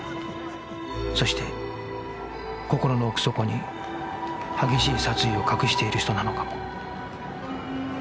そして心の奥底に激しい殺意を隠している人なのかも